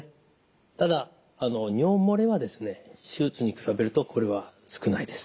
ただ尿漏れはですね手術に比べるとこれは少ないです。